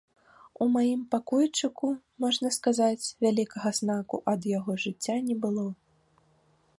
У маім пакойчыку, можна сказаць, вялікага знаку ад яго жыцця не было.